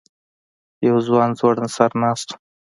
یو ځوان ځوړند سر ناست و.